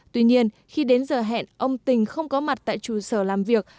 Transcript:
tuy nhiên khi đến giờ hẹn ông tình không có mặt tại trụ sở làm việc